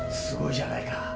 すごいじゃないか。